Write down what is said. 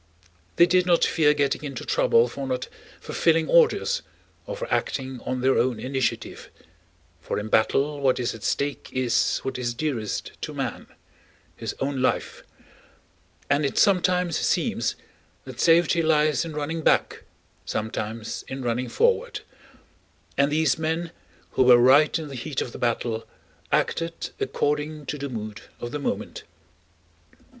They did not fear getting into trouble for not fulfilling orders or for acting on their own initiative, for in battle what is at stake is what is dearest to man—his own life—and it sometimes seems that safety lies in running back, sometimes in running forward; and these men who were right in the heat of the battle acted according to the mood of the moment.